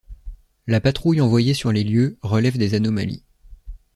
La patrouille envoyée sur les lieux relève des anomalies.